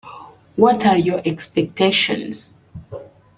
What are your expectations?